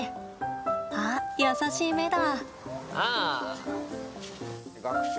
あっ、優しい目だ。